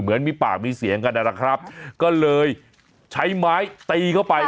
เหมือนมีปากมีเสียงกันนะครับก็เลยใช้ไม้ตีเข้าไป